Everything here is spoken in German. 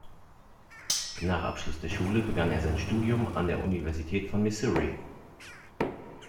Nach Abschluss der Schule begann er ein Studium an der Universität von Missouri.